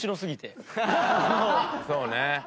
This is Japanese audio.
そうね。